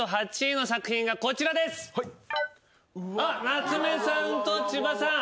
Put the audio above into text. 夏目さんと千葉さん。